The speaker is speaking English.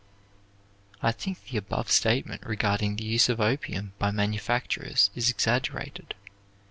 I think the above statement regarding the use of opium by manufacturers is exaggerated.